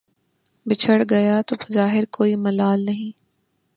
بچھڑ گیا تو بظاہر کوئی ملال نہیں